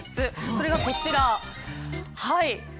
それがこちら。